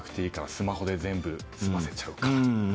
スマホで全部済ませちゃうから。